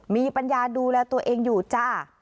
มีปัญญาดูแลตัวเองอยู่จ้า